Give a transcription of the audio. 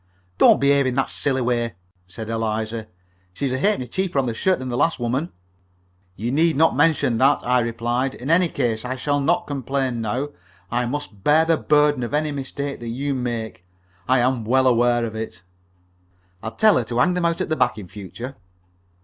"Don't behave in that silly way," said Eliza. "She's a halfpenny cheaper on the shirt than the last woman." "You need not mention that," I replied. "In any case I shall not complain now. I must bear the burden of any mistakes that you make. I am well aware of it." "I'll tell her to hang them out at the back in future."